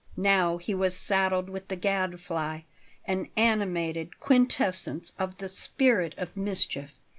Now he was saddled with the Gadfly, an animated quintessence of the spirit of mischief.